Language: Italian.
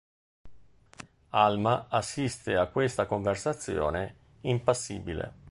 Alma assiste a questa conversazione, impassibile.